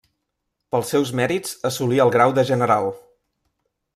Pels seus mèrits assolí el grau de general.